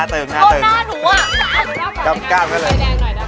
เต้นไล่แดงหน่อยนะคะทุกวันอาทิตย์